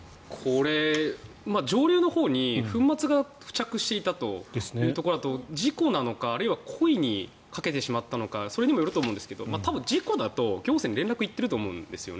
これ、上流のほうに粉末が付着していたというところだと事故なのか、あるいは故意にかけてしまったのかそれにもよると思いますが事故だと行政に連絡がいっていると思うんです。